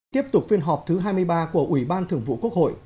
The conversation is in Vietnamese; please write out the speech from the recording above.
tiếp tục phiên họp thứ hai mươi ba của ủy ban thường vụ quốc hội